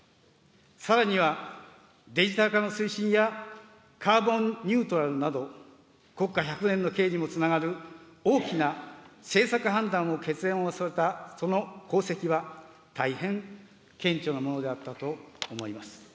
さらには、デジタル化の推進やカーボンニュートラルなど、国家百年の計にもつながる大きな政策判断を決断をされたその功績は、大変顕著なものであったと思います。